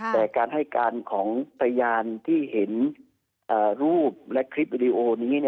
แต่การให้การของพยานที่เห็นรูปและคลิปวิดีโอนี้